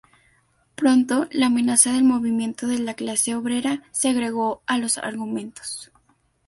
Pronto, la amenaza del movimiento de la clase obrera se agregó a los argumentos.